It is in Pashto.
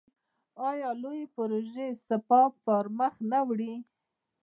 آیا لویې پروژې سپاه پرمخ نه وړي؟